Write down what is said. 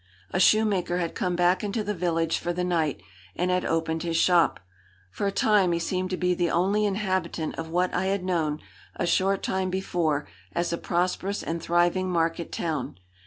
A shoemaker had come back into the village for the night, and had opened his shop. For a time he seemed to be the only inhabitant of what I had known, a short time before, as a prosperous and thriving market town.